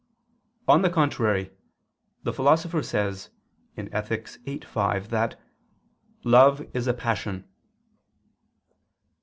On the contrary, The Philosopher says (Ethic. viii, 5) that "love is a passion."